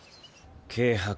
軽薄。